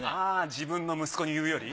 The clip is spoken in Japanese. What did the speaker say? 自分の息子に言うより？